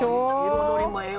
彩りもええわ